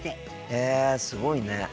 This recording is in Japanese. へえすごいね。